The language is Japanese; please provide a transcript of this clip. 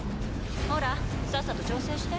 ほらさっさと調整して。